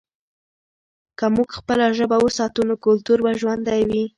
که موږ خپله ژبه وساتو، نو کلتور به ژوندی وي.